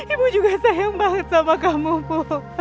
ibu juga sayang banget sama kamu bu